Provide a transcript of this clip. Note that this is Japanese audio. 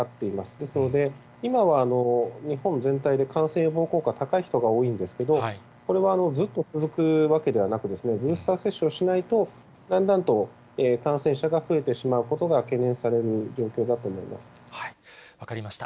ですので、今は日本全体で感染予防効果高い人が多いんですけど、これはずっと続くわけではなく、ブースター接種をしないとだんだんと感染者が増えてしまうことが分かりました。